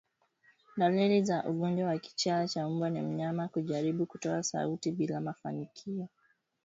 Dalili za ugonjwa wa kichaa cha mbwa ni mnyama kujaribu kutoa sauti bila mafanikio